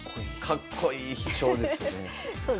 かっこいい「飛翔」ですよね。